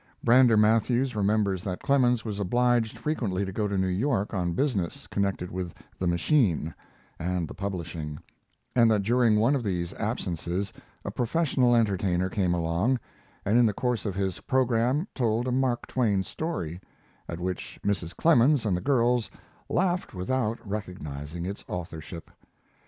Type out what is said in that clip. Brander Matthews remembers that Clemens was obliged frequently to go to New York on business connected with the machine and the publishing, and that during one of these absences a professional entertainer came along, and in the course of his program told a Mark Twain story, at which Mrs. Clemens and the girls laughed without recognizing its authorship.